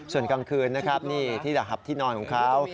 ส่วนกลางคืนนะครับนี่ที่ระหับที่นอนของเขา